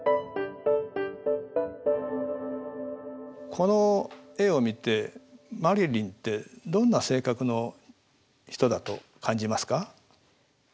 この絵を見てマリリンってどんな性格の人だと感じますか？